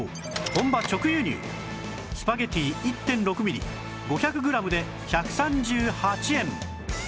本場直輸入スパゲッティ １．６ ミリ５００グラムで１３８円